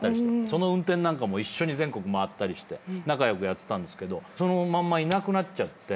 その運転なんかも一緒に全国回ったりして仲良くやってたんですけどそのままいなくなっちゃって。